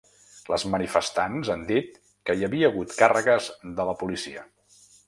Les manifestants han dit que hi havia hagut càrregues de la policia.